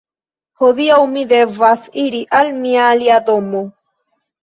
Hodiaŭ mi devas iri al mia alia domo.